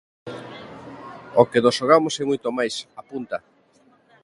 "O que nos xogamos é moito máis", apunta.